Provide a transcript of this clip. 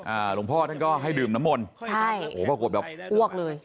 หลวงพ่อท่านก็ให้ดื่มน้ำมนต์ใช่โอ้โหปรากฏแบบอ้วกเลย